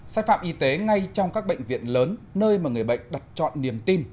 sai phạm y tế ngay trong các bệnh viện lớn nơi mà người bệnh đặt chọn niềm tin